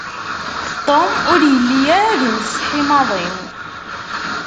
Tom ur yelli ara d imsetḥi maḍi.